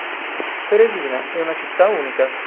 Teresina è una città unica.